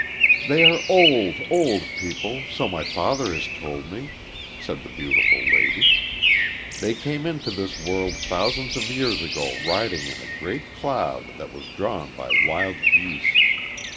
"They are old, old people so my father has told me," said the beautiful lady. "They came into this world thousands of years ago riding in a great cloud that was drawn by wild geese.